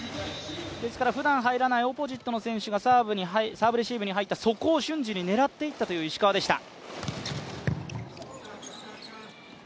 ですからふだん入らないオポジットの選手がサーブレシーブに入った、そこを瞬時に狙っていったという石川でした。